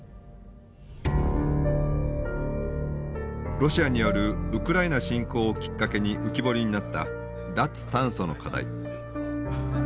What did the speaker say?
ロシアによるウクライナ侵攻をきっかけに浮き彫りになった脱炭素の課題。